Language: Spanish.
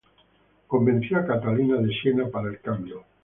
Convenció a Catalina de Siena para el cambio.